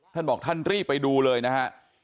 ท่านบอกท่านรีบไปดูเลยนะฮะ